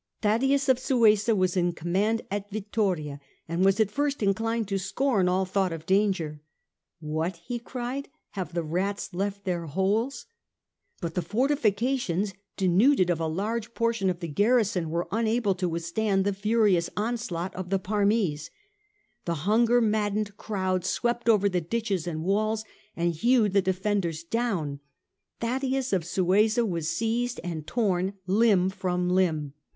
Thaddaeus of Suessa was in command at Vittoria and was at first inclined to scorn all thought of danger. " What !" he cried, " have the rats left their holes ?" But the fortifications, denuded of a large portion of their garrison, were unable to withstand the furious onslaught of the Parmese. The hunger maddened crowds swept over the ditches and walls and hewed the defenders down. Thaddaeus of Suessa was seized and torn limb from limb.